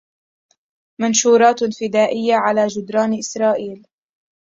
منشورات فدائية على جدران إسرائيل